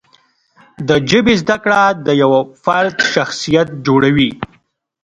د ژبې زده کړه د یوه فرد شخصیت جوړوي.